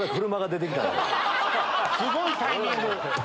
すごいタイミング！